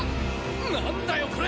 何だよこれ！